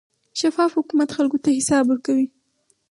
شفاف حکومت خلکو ته حساب ورکوي.